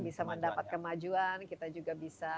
bisa mendapat kemajuan kita juga bisa